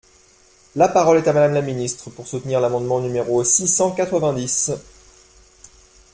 La parole est à Madame la ministre, pour soutenir l’amendement numéro six cent quatre-vingt-dix.